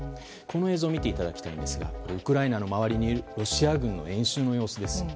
この映像を見ていただきたいんですがウクライナの周りにいるロシア軍の演習の様子です。